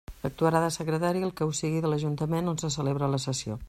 Actuarà de secretari el que ho siga de l'ajuntament on se celebra la sessió.